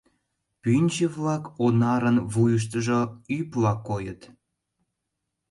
Пӱнчӧ-влак онарын вуйыштыжо ӱпла койыт.